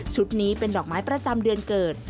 นี้เป็นดอกไม้ประจำเดือนเกิด